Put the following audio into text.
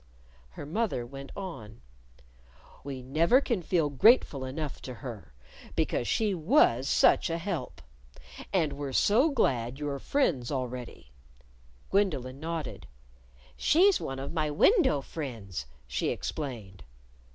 Her mother went on: "We never can feel grateful enough to her, because she was such a help. And we're so glad you're friends already." Gwendolyn nodded. "She's one of my window friends," she explained.